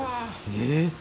えっ。